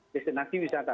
desain akti wisata